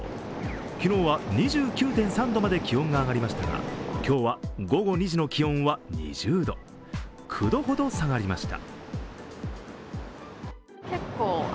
昨日は２９．３度まで気温が上がりましたが、今日は午後２時の気温は２０度、９度ほど下がりました。